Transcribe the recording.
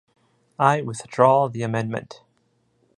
I withdraw the amendment.